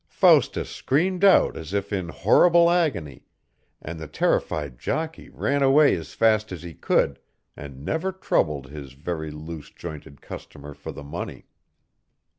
Faustus screamed out as if in horrible agony, and the terrified jockey ran away as fast as he could, and never troubled his very loose jointed customer for the money.